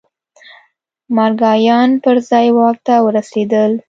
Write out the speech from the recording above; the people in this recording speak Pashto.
مارګایان پر ځای واک ته ورسېدل.